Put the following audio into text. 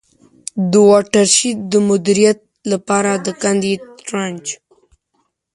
د واټر شید د مدیریت له پاره د کندي Trench.